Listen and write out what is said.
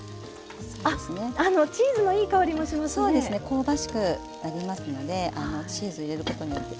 香ばしくなりますのでチーズ入れることによって。